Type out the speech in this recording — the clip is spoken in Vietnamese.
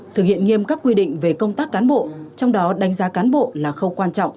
thực hiện nghiêm các quy định về công tác cán bộ trong đó đánh giá cán bộ là khâu quan trọng